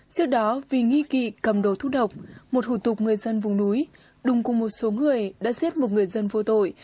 trước đó vì nghi kỵ cầm đồ thúc độc một hủ tục người dân vùng núi đùng cùng một số người đã giết một người dân vô tội